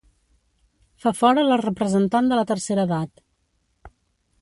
Fa fora la representant de la tercera edat.